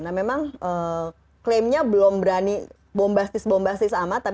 nah memang klaimnya belum berani bombastis bombastis amat